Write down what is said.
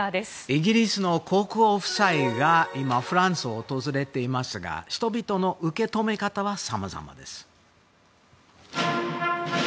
イギリスの国王夫妻が今、フランスを訪れていますが人々の受け止め方はさまざまです。